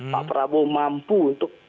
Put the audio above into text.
pak prabowo mampu untuk